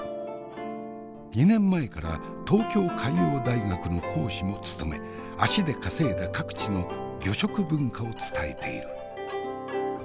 ２年前から東京海洋大学の講師も務め足で稼いだ各地の魚食文化を伝えている。